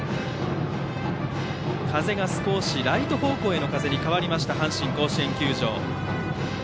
風が少しライト方向への風に変わりました阪神甲子園球場。